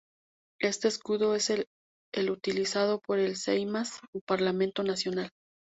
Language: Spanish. Este escudo es el utilizado por el Seimas, o Parlamento nacional.